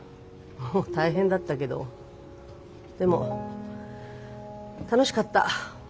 もう大変だったけどでも楽しかった。